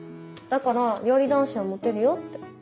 だから料理男子はモテるよって。